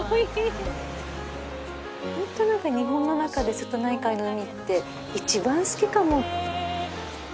ホント日本の中で瀬戸内海の海って一番好きかも。